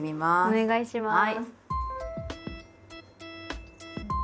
お願いします。